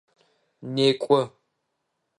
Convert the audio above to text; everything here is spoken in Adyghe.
Некӏо!